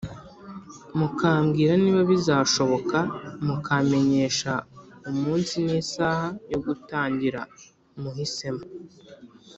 mukambwira niba bizashoboka, mukamenyesha umunsi n'isaha yo gutangira muhisemo.